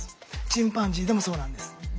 チンパンジーでもそうなんです。